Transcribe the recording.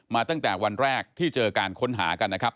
ตั้งแต่วันแรกที่เจอการค้นหากันนะครับ